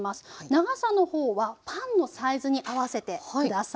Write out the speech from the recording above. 長さの方はパンのサイズに合わせて下さい。